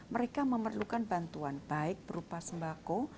mereka memerlukan bantuan baik berupa sembako